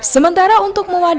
sementara untuk mewarisi